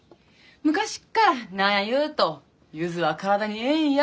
昔から何やいうと「柚子は体にええんや！」